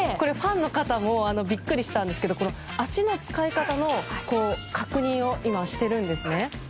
ファンの方もビックリしたんですけど足の使い方の確認を今、してるんですね。